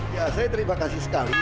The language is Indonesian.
ya saya terima kasih sekali